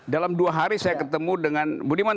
dalam dua hari saya ketemu dengan budiman